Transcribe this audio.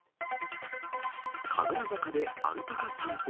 神楽坂でアルパカ散歩。